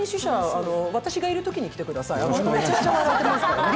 関係者試写は私がいるときに来てください。